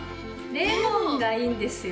レモンがいいんですよ。